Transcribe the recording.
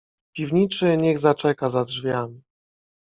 "Piwniczy niech zaczeka za drzwiami."